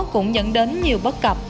cũng dẫn đến nhiều bất cập